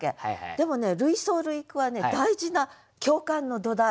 でもね類想類句はね大事な共感の土台。